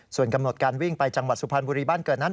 ส่วนกำหนดการวิ่งไปจังหวัดสุพรรณบุรีบ้านเกิดนั้น